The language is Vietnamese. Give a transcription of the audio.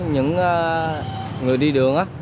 những người đi đường